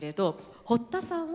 堀田さんは？